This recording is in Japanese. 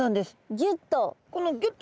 ギュッと。